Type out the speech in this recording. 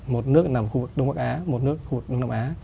một nước nằm khu vực đông bắc á một nước khu vực đông nam á